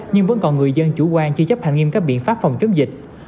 nhưng vẫn còn người dân chủ quan chưa chấp hành nghiêm các biện pháp phòng chống dịch